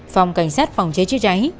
phòng cảnh sát phòng chế chứa trái